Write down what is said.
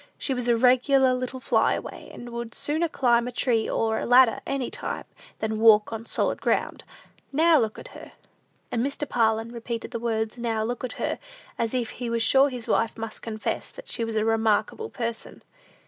She was a regular little fly away, and would sooner climb a tree or a ladder any time, than walk on solid ground. Now look at her!" And Mr. Parlin repeated the words, "Now look at her," as if he was sure his wife must confess that she was a remarkable person.